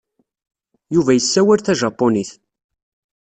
Yuba yessawal tajapunit.